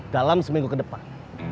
dalam seminggu ke depan